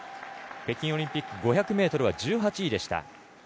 北京オリンピック５００ｍは１８位でした。